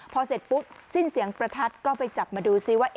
พอเสร็จปุ๊บสิ้นเสียงประทัดก็ไปจับมาดูซิว่า